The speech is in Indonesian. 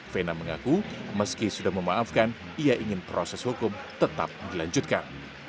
vena mengaku meski sudah memaafkan ia ingin proses hukum tetap dilanjutkan